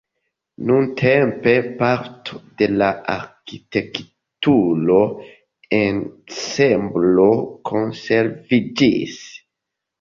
Nuntempe parto de la arkitektura ensemblo konserviĝis.